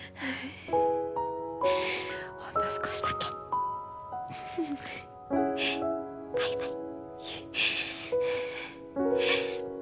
ほんの少しだけバイバイ。